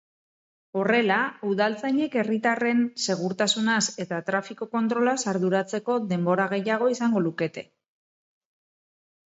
Horrela, udaltzainek herritarren segurtasunaz eta trafiko kontrolaz arduratzeko denbora gehiago izango lukete.